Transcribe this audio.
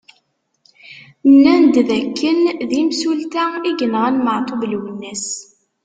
Nnan-d d akken d imsulta i yenɣan Maɛtub Lwennas.